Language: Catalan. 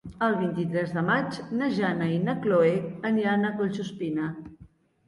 El vint-i-tres de maig na Jana i na Chloé aniran a Collsuspina.